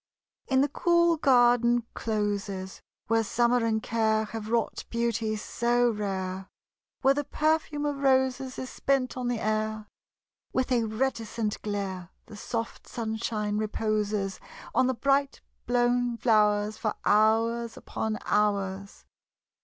In the cool garden closes, Where summer and care Have wrought beauty so rare; Where the perfume of roses Is spent on the air; With a reticent glare, The soft sunshine reposes On the bright blown flowers For hours upon hours.